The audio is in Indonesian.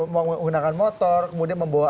menggunakan motor kemudian membawa